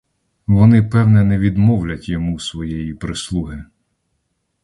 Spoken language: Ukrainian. Вони певне не відмовлять йому своєї прислуги.